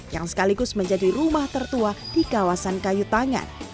yang sekaligus menjadi rumah tertua di kawasan kayu tangan